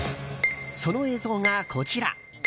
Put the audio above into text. その映像が、こちら。